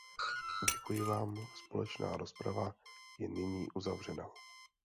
Děkuji vám, společná rozprava je nyní uzavřena.